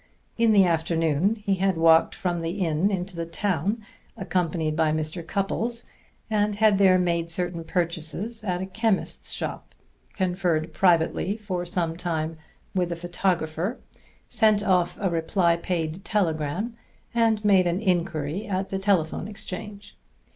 In the afternoon he had walked from the inn into the town, accompanied by Mr. Cupples, and had there made certain purchases at a chemist's shop, conferred privately for some time with a photographer, sent off a reply paid telegram, and made an inquiry at the telephone exchange.